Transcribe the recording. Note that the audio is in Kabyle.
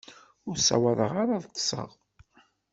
Ur ssawaḍeɣ ara ad ṭṭseɣ.